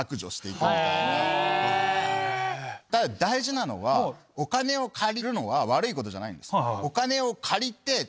ただ大事なのはお金を借りるのは悪いことじゃないんです。